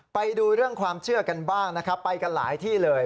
ไปดูเรื่องความเชื่อกันบ้างนะครับไปกันหลายที่เลย